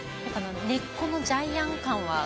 根っこのジャイアン感は。